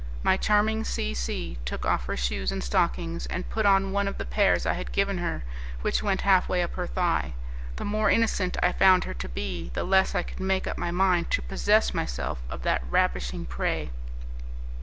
My charming C C took off her shoes and stockings, and put on one of the pairs I had given her, which went halfway up her thigh. The more innocent I found her to be, the less I could make up my mind to possess myself of that ravishing prey.